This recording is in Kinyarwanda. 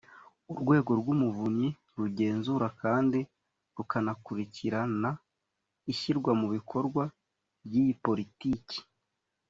urwego rw’umuvunyi rugenzura kandi rukanakurikirana ishyirwa mu bikorwa ry’iyi politiki.